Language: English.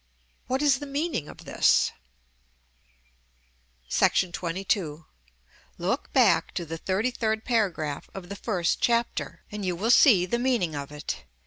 What is the meaning of this? § XXII. Look back to the XXXIIIrd paragraph of the first chapter, and you will see the meaning of it.